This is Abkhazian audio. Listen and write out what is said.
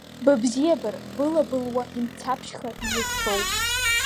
Быбзиабара былыбылуа имцаԥшьха изыцроу!